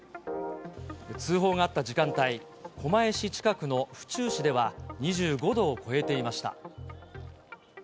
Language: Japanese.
通報があった時間帯、狛江市近くの府中市では２５度を超えていました。